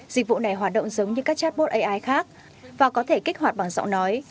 dịch vụ này hoạt động giống như các chatbot ai khác và có thể kích hoạt bằng giọng nói